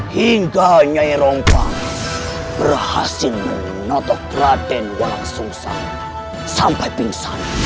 hingga nyai rongkang berhasil menutup praden walau susah sampai pingsan